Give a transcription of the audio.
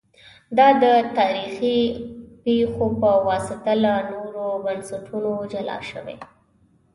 دا د تاریخي پېښو په واسطه له نورو بنسټونو جلا شوي